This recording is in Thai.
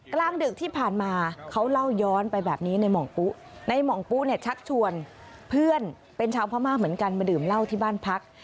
กลางดึกที่ผ่านมาเขาเล่าย้อนไปแบบนี้ในห่องปุ๊ในหม่องปุ๊เนี่ยชักชวนเพื่อนเป็นชาวพม่าเหมือนกันมาดื่มเหล้าที่บ้านพัก